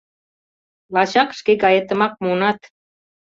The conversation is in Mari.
— Лачак шке гаетымак муынат...